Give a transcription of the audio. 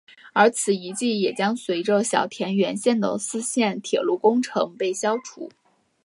而此遗迹也将随着小田原线的四线铁路工程被消除。